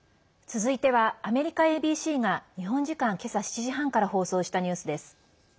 続いてはアメリカＡＢＣが日本時間けさ７時半から放送したニュースです。